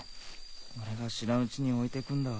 俺が知らんうちに置いてくんだわ。